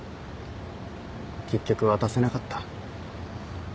結局渡せなかった。